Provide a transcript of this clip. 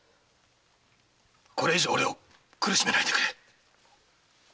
これ以上俺を苦しめないでくれ。